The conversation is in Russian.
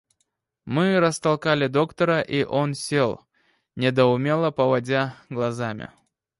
Мы растолкали доктора, и он сел, недоумело поводя глазами.